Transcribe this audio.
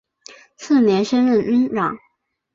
次年升任军长。